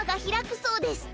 そうです。